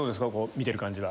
見てる感じは。